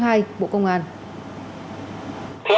theo báo cáo của bác sĩ trực